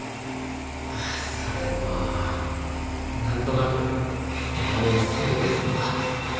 それでまあなんとなくお前を避けてたんだ。